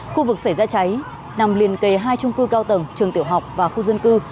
khu vực xảy ra cháy nằm liền kề hai trung cư cao tầng trường tiểu học và khu dân cư